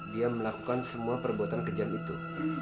dia melakukan semua perbuatan kejam itu